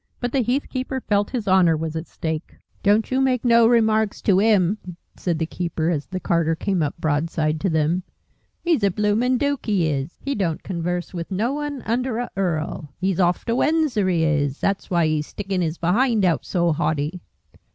But the heathkeeper felt his honour was at stake. "Don't you make no remarks to 'IM," said the keeper as the carter came up broadside to them. "'E's a bloomin' dook, 'e is. 'E don't converse with no one under a earl. 'E's off to Windsor, 'e is; that's why 'e's stickin' his be'ind out so haughty.